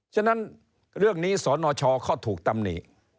ฉะนั้นเรื่องนี้สนชเขาถูกตำหนิ